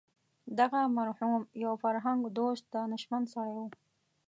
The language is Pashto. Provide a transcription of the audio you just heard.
دغه مرحوم یو فرهنګ دوست دانشمند سړی و.